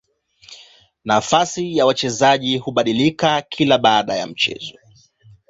Nafasi ya wachezaji hubadilika baada ya kila mchezo.